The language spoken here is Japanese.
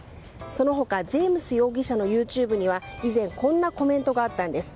その他、ジェームズ容疑者のＹｏｕＴｕｂｅには以前、こんなコメントがあったんです。